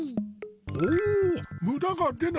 おぉむだが出ない！